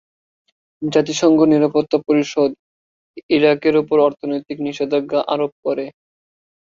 জাতিসংঘ নিরাপত্তা পরিষদ ইরাকের উপর অর্থনৈতিক নিষেধাজ্ঞা আরোপ করে।